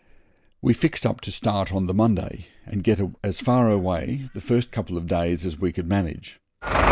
We fixed up to start on the Monday, and get as far away the first couple of days as we could manage.